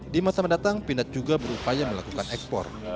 di masa mendatang pindad juga berupaya melakukan ekspor